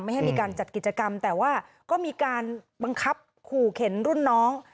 ให้มีการจัดกิจกรรมแต่ว่าก็มีการบังคับขู่เข็นรุ่นน้อง